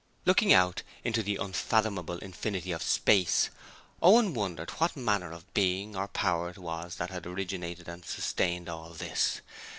Looking out into the unfathomable infinity of space, Owen wondered what manner of Being or Power it was that had originated and sustained all this?